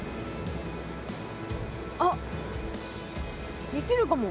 あっできるかも。